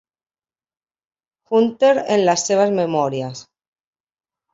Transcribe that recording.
Hunter en les seves memòries.